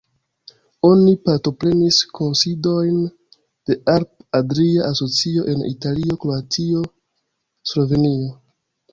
Oni partoprenis kunsidojn de Alp-Adria Asocio en Italio, Kroatio, Slovenio.